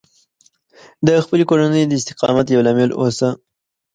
د خپلې کورنۍ د استقامت یو لامل اوسه